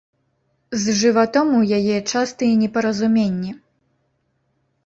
З жыватом у яе частыя непаразуменні.